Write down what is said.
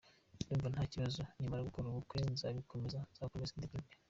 Ndumva nta kibazo, nimara gukora ubukwe nzabikomeza, nzakomeza ndirimbe.